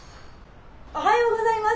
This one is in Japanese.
「おはようございます。